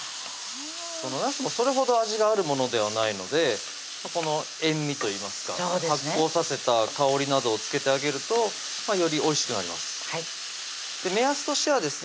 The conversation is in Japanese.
なすもそれほど味があるものではないのでこの塩味といいますか発酵させた香りなどをつけてあげるとよりおいしくなります目安としてはですね